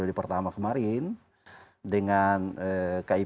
yang percaya saya produk keuwi prio di pertama kemarin